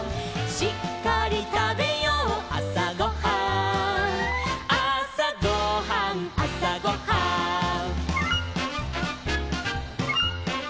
「しっかりたべようあさごはん」「あさごはんあさごはん」